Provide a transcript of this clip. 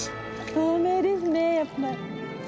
透明ですねやっぱ。